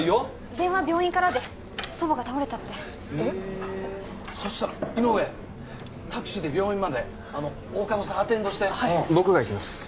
電話病院からで祖母が倒れたってえっそしたら井上タクシーで病院まで大加戸さんアテンドしてはい僕が行きます